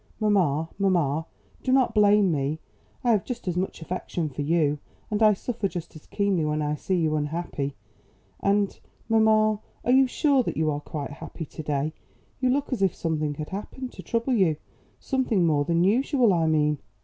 Mamma, mamma, do not blame me. I have just as much affection for you, and I suffer just as keenly when I see you unhappy. And, mamma, are you sure that you are quite happy to day? You look as if something had happened to trouble you something more than usual, I mean."